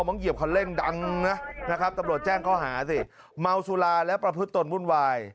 มั้งเหยียบคอนเร่งดังนะครับตำรวจแจ้งเขาหาสิเม้าสุราและประพฤตนบุญวาย